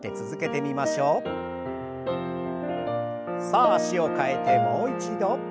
さあ脚を替えてもう一度。